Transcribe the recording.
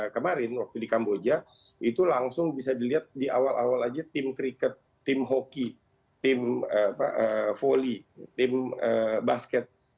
kemarin waktu di kamboja itu langsung bisa dilihat di awal awal aja tim kriket tim hoki tim volley tim basket